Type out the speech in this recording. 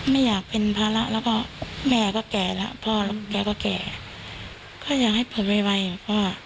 ไม่อยากเป็นภาระแล้วก็แม่ก็แก่แล้วพ่อแล้วแกก็แก่ก็อยากให้ผมไวเพราะว่า